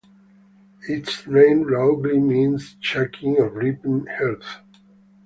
Its name roughly means shaking or rippling earth.